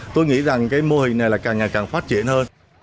tôi nghĩ rằng cái mô hình này là càng ngày càng phát triển hơn